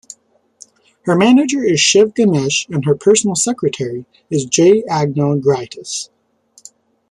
Her manager is Shiv Ganesh and her personal secretary is J. Agnel Grietas.